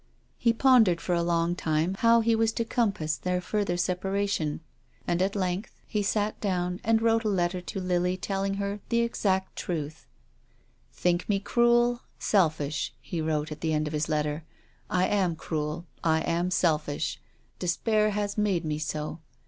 He pondered for along time how he was to compass their further separation. And, at length, 248 TONGUES OF CONSCIENCE. he sat down and wrote a letter to Lily telling her the exact truth. " Think me cruel, selfish," he wrote at the end of his letter. " I am cruel. I am selfish. De spair has made me so.